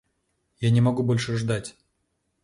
Я не могу больше ждать.